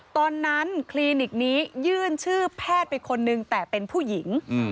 ตอนนั้นคลินิกนี้ยื่นชื่อแพทย์ไปคนนึงแต่เป็นผู้หญิง